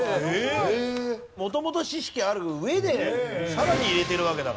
元々知識ある上でさらに入れてるわけだから。